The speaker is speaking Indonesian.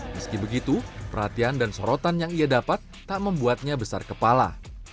meski begitu perhatian dan sorotan yang ia dapat tak membuatnya besar kepala